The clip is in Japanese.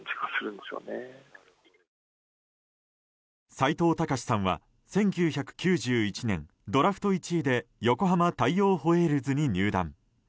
斎藤隆さんは１９９１年、ドラフト１位で横浜大洋ホエールズに入団。